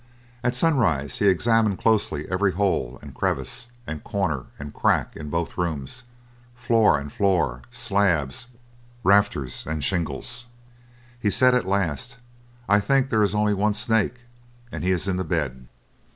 At sunrise he examined closely every hole, and crevice, and corner, and crack in both rooms, floor and floor, slabs, rafters, and shingles. He said, at last: "I think there is only one snake, and he is in the bed."